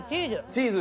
チーズ？